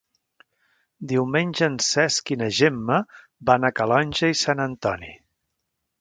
Diumenge en Cesc i na Gemma van a Calonge i Sant Antoni.